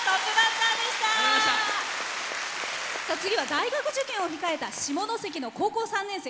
次は大学受験を控えた下関の高校３年生。